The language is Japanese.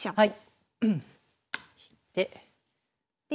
はい。